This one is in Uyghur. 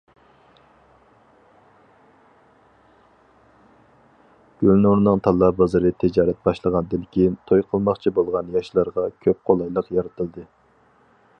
گۈلنۇرنىڭ تاللا بازىرى تىجارەت باشلىغاندىن كېيىن، توي قىلماقچى بولغان ياشلارغا كۆپ قولايلىق يارىتىلدى.